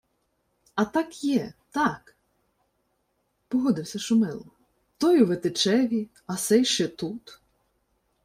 — А так є, так, — погодився Шумило. — Той у Витичеві, а сей ще тут.